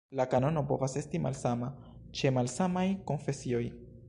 La kanono povas esti malsama ĉe malsamaj konfesioj.